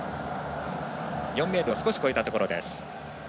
４ｍを少し超えたところです。